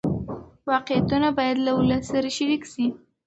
واقعیتونه باید له ولس سره شریک شي.